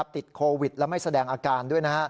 ติดโควิดและไม่แสดงอาการด้วย